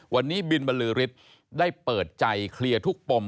วันนี้บินบรรลือฤทธิ์ได้เปิดใจเคลียร์ทุกปม